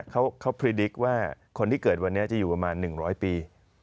เขาพรีดิกว่าคนที่เกิดวันนี้จะอยู่ประมาณ๑๐๐ปี